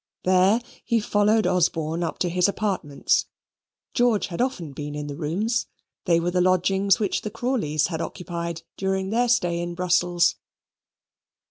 There he followed Osborne up to his apartments. George had often been in the rooms; they were the lodgings which the Crawleys had occupied during their stay in Brussels.